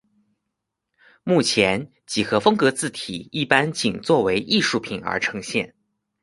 目前几何风格字体一般仅作为艺术品而呈现。